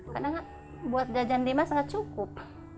karena buat jajan lima sangat cukup